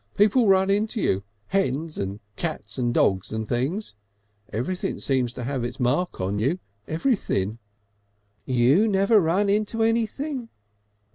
People run into you, hens and cats and dogs and things. Everything seems to have its mark on you; everything." "You never run into anything."